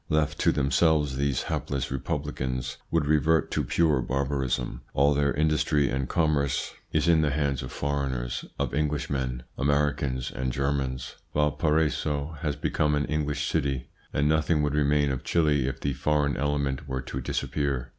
Left to themselves, these hapless republicans would revert to pure barbarism. All their industry and commerce is in 152 THE PSYCHOLOGY OF PEOPLES the hands of foreigners, of Englishmen, Americans, and Germans. Valparaiso has become an English city; and nothing would remain of Chili if the foreign element were to disappear.